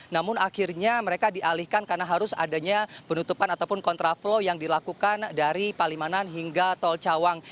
namun akhirnya mereka dialihkan karena harus adanya penutupan ataupun kontraflow yang dilakukan dari palimanan hingga tol cawang